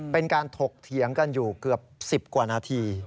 เป็นการถกเถียงกันอยู่เกือบ๑๐กว่านาที